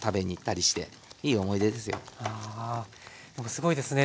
すごいですね。